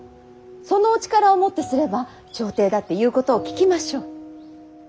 そのお力をもってすれば朝廷だって言うことを聞きましょう。